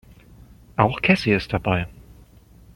Auch Cassie ist dabei.